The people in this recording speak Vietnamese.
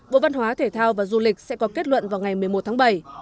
bộ văn hóa thể thao và du lịch sẽ có kết luận vào ngày một mươi một tháng bảy